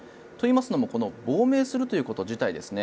といいますのも亡命するということ自体